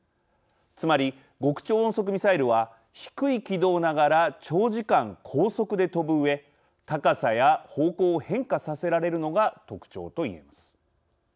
つまり極超音速ミサイルは低い軌道ながら長時間、高速で飛ぶうえ高さや方向を変化させられるのが特徴と言えます。